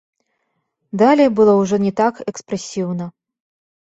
Далей было ўжо не так экспрэсіўна.